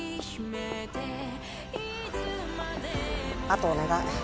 あとお願い。